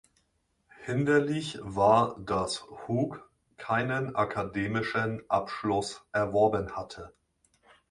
Hinderlich war, dass Hooke keinen akademischen Abschluss erworben hatte.